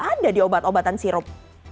ada di obat obatan sirup